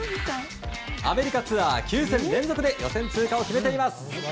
アメリカツアー９戦連続で予選通過を決めています。